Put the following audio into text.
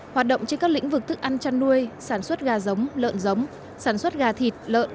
hoạt động trên các lĩnh vực thức ăn chăn nuôi sản xuất gà giống lợn giống sản xuất gà thịt lợn